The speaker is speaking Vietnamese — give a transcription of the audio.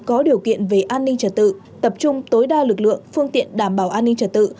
có điều kiện về an ninh trật tự tập trung tối đa lực lượng phương tiện đảm bảo an ninh trật tự